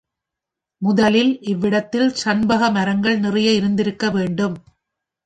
முதலில் இவ்விடத்தில் சண்பக மரங்கள் நிறைய இருந்திருக்க வேண்டும்.